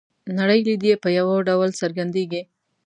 نړۍ لید یې په یوه ډول څرګندیږي.